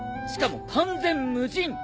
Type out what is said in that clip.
しかも完全無人！